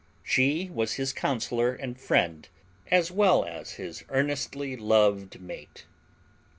She was his counselor and friend as well as his earnestly loved mate.